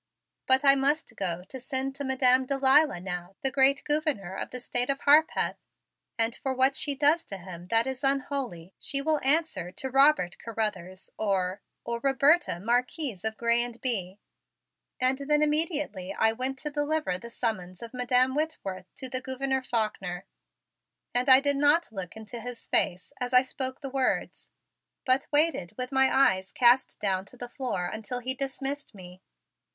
But I must go to send to Madam Delilah now the great Gouverneur of the State of Harpeth and for what she does to him that is unholy she will answer to Robert Carruthers or or Roberta, Marquise of Grez and Bye." And then immediately I went to deliver the summons of Madam Whitworth to the Gouverneur Faulkner and I did not look into his face as I spoke the words, but waited with my eyes cast down to the floor until he dismissed me.